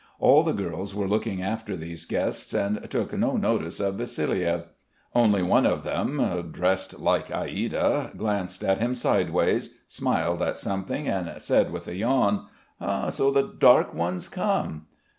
All the girls were looking after these guests and took no notice of Vassiliev. Only one of them dressed like Aïda glanced at him sideways, smiled at something and said with a yawn: "So the dark one's come."